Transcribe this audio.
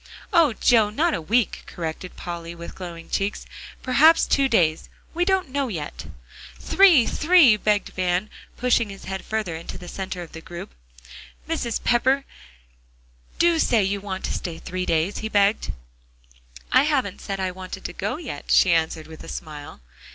"Oh, Joe! not a week," corrected Polly with glowing cheeks, "perhaps two days; we don't know yet." "Three three," begged Van, pushing his head further into the center of the group. "Mrs. Pepper, do say you want to stay three days," he begged. "I haven't said I wanted to go yet," she answered with a smile.